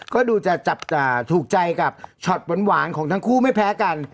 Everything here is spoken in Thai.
ก็ดูจะจับถูกใจกับช็อตหวานของทั้งคู่ไม่แพ้กัน